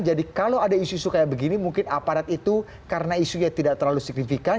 jadi kalau ada isu isu kayak begini mungkin aparat itu karena isunya tidak terlalu signifikan